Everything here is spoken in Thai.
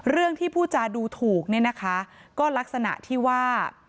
เรื่องที่พูดจาดูถูกเนี่ยนะคะก็ลักษณะที่ว่า